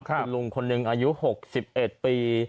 ครับคุณลุงคนนึงอายุหกสิบเอ็ดปี